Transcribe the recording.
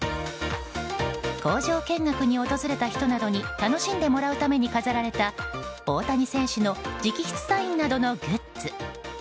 工場見学に訪れた人などに楽しんでもらうために飾られた大谷選手の直筆サインなどのグッズ。